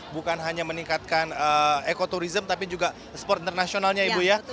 bukan hanya meningkatkan ekoturism tapi juga sport internasionalnya ibu ya